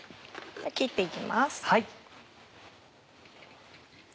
切って行きます。